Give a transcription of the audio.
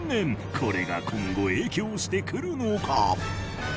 これが今後影響してくるのか！？